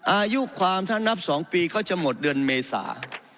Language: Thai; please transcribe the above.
อายุความถ้านับ๒ปีเขาจะหมดเดือนเมษา